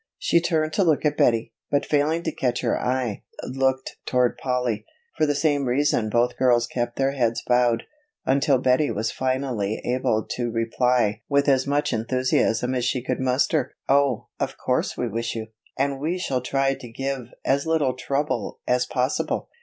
She turned to look at Betty, but failing to catch her eye, looked toward Polly. For the same reason both girls kept their heads bowed, until Betty was finally able to reply with as much enthusiasm as she could muster: "Oh, of course we wish you, and we shall try to give as little trouble as possible."